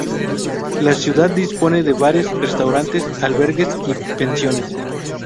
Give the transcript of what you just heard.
La ciudad dispone de bares, restaurantes, albergues y pensiones.